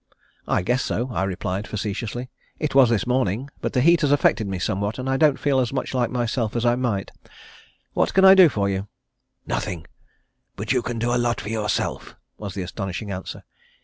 "I guess so," I replied facetiously; "It was this morning, but the heat has affected me somewhat, and I don't feel as much like myself as I might. What can I do for you?" "Nothing, but you can do a lot for yourself," was the astonishing answer.